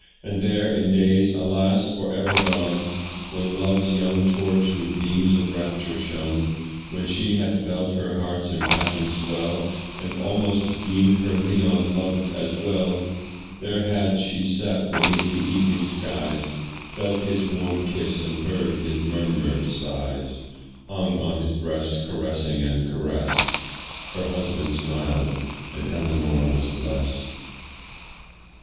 For there, in days, alas! for ever gone, When love's young torch with beams of rapture shone, When she had felt her heart's impassioned swell, And almost deem'd her Leon loved as well; There had she sat, beneath the evening skies, Felt his warm kiss and heard his murmur'd sighs; Hung on his breast, caressing and carest, Her husband smiled, and Ellinor was blest.